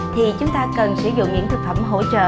thì chúng ta cần sử dụng những thực phẩm hỗ trợ